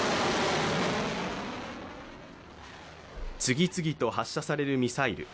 次々と発射されるミサイル。